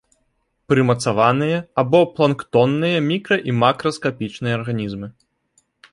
Прымацаваныя або планктонныя мікра- і макраскапічныя арганізмы.